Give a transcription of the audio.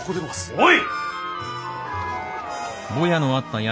おい！